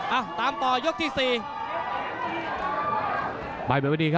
เอ้าตามต่อยกที่๔